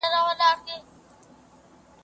اې د دې ټولو ښایستونو د تابلو نقاشه!